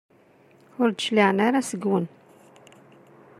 Ur d-cliɛen ara seg-wen.